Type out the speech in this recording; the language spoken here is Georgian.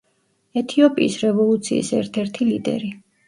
ეთიოპიის რევოლუციის ერთ-ერთი ლიდერი.